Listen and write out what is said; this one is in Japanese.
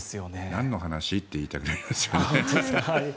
なんの話？って言いたくなりますよね。